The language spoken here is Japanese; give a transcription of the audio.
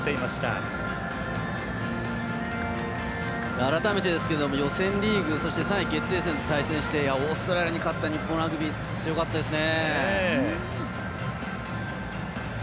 改めて、予選リーグそして、３位決定戦と対戦してオーストラリアに勝った日本のラグビー、強かったですね。